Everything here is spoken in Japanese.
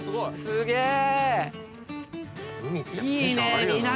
すげえ！